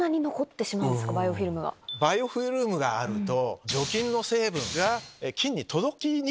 バイオフィルムがあると。